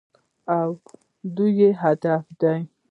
او د دوی هدف دی.